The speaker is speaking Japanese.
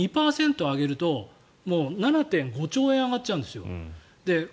２％上げると７．５兆円上がっちゃうんです。